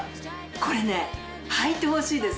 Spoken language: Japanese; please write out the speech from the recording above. これねはいてほしいです。